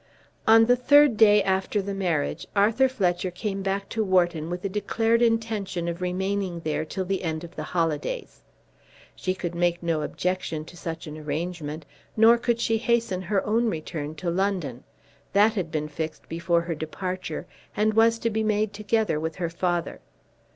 On the third day after the marriage Arthur Fletcher came back to Wharton with the declared intention of remaining there till the end of the holidays. She could make no objection to such an arrangement, nor could she hasten her own return to London. That had been fixed before her departure and was to be made together with her father.